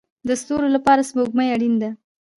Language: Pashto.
د ستورو لپاره سپوږمۍ اړین ده